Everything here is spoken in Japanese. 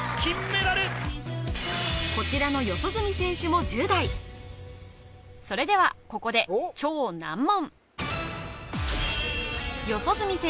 こちらの四十住選手も１０代それではここで超難問